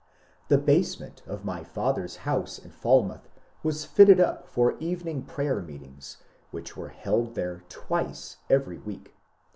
The basement of my father's house in Falmouth was fitted up for evening prayer meetings, which were held there twice every week.